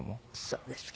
そうですか。